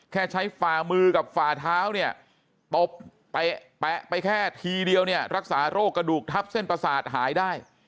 แค่ใช้ฝ่ามือกับฝ่าเท้าเนี่ยตบไปแปะไปแค่ทีเดียวเนี่ยรักษาโรคกระดูกทับเส้นประสาทหายได้